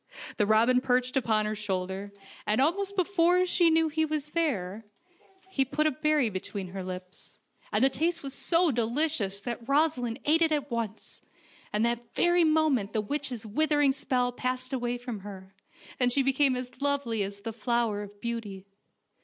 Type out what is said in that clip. The robin perched upon her shoulder, and almost before she knew he was there he put the 118 FAIRY TALES berry between her lips, and the taste was so deli cious that Rosaleen ate it at once, and that very moment the witch's withering spell passed away from her, and she became as lovely as the flower of beauty.